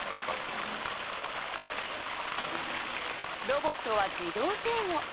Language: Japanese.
ロボットは自動制御。